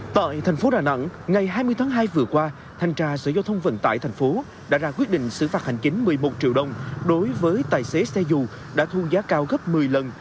tại thành phố đà nẵng ngày hai mươi tháng hai vừa qua thanh tra sở giao thông vận tải thành phố đã ra quyết định xử phạt hành chính một mươi một triệu đồng đối với tài xế xe dù đã thu giá cao gấp một mươi lần